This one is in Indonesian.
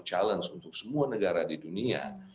challenge untuk semua negara di dunia